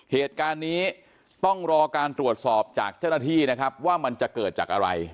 เหตุการณ์นี้ต้องรอการตรวจสอบจากเจ้าหน้าที่นะครับว่ามันจะเกิดจากอะไร